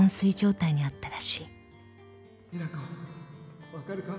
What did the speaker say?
実那子分かるか？